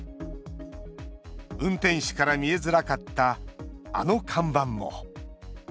運転手から見えづらかったあの看板も。